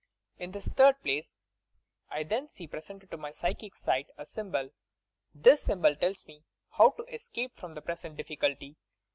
In this third place I then see presented to my psychic sight a sjTnbol. This symbol tells me how to escape from the present difficulty.